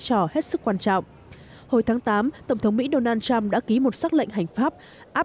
trò hết sức quan trọng hồi tháng tám tổng thống mỹ donald trump đã ký một xác lệnh hành pháp áp